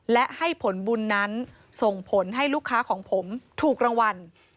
และให้ผลบุญนั้นส่งผลให้ลูกค้าของผมถูกรางวัล